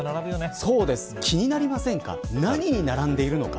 そうです、気になりませんか何に並んでいるのか。